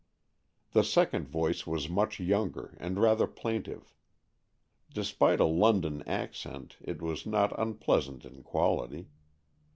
The second voice was much younger, and rather plaintive. Despite a London accent, it was not unpleasant in quality.